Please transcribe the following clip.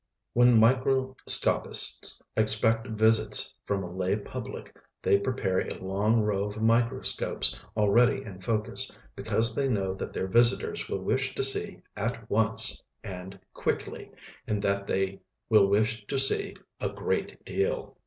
When microscopists expect visits from a lay public, they prepare a long row of microscopes already in focus, because they know that their visitors will wish to see "at once" and "quickly," and that they will wish to see "a great deal."